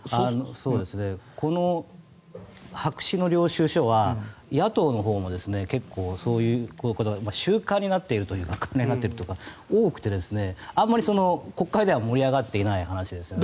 この白紙の領収書は野党のほうも結構、そういう習慣になっているとかなっているというかが多くてあまり国会では盛り上がっていない話ですね。